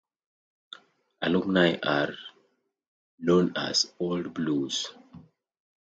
Alumni are known as "Old Blues".